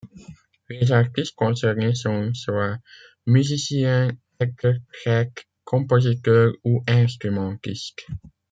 Les artistes concernés sont soit musiciens, interprètes, compositeurs ou instrumentistes.